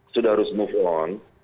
sudah harus move on